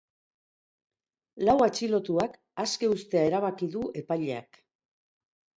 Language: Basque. Lau atxilotuak aske uztea erabaki du epaileak.